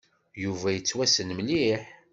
Yuba yettwassen mliḥ.